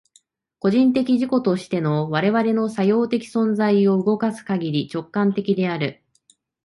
個人的自己としての我々の作用的存在を動かすかぎり、直観的である。